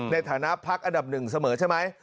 ในฐานะภักดิ์อันดับ๑เสมอใช่ไหม